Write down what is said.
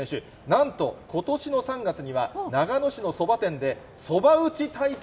なんと、ことしの３月には、長野市のそば店で、上手。